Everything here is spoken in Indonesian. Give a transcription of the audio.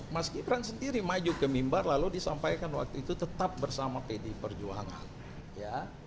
mas gibran sendiri maju ke mimbar lalu disampaikan waktu itu tetap bersama pdi perjuangan ya